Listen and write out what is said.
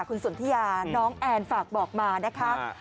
คุณสนทิยาน้องแอนฝากบอกมานะคะ